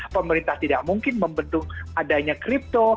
pemerintah tidak mungkin membendung adanya kripto